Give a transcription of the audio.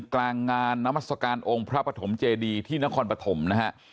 กลางงานนามัศกาลองค์พระปฐมเจดีที่นครปฐมนะฮะ